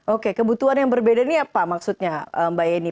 oke kebutuhan yang berbeda ini apa maksudnya mbak yeni